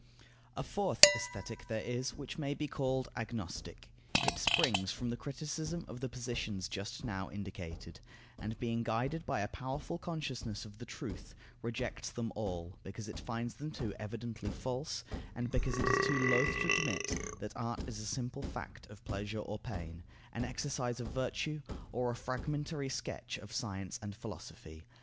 A fourth Aesthetic there is, which may be called agnostic. It springs from the criticism of the positions just now indicated, and being guided by a powerful consciousness of the truth, rejects them all, because it finds them too evidently false, and because it is too loth to admit that art is a simple fact of pleasure or pain, an exercise of virtue, or a fragmentary sketch of science and philosophy.